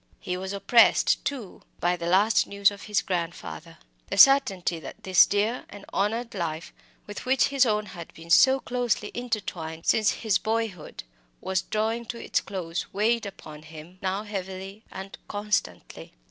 He was oppressed, too, by the last news of his grandfather. The certainty that this dear and honoured life, with which his own had been so closely intertwined since his boyhood, was drawing to its close weighed upon him now heavily and constantly.